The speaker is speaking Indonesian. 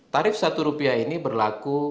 tarif rp satu ini berlaku